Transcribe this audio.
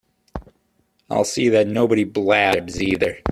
I’ll see that nobody blabs, either.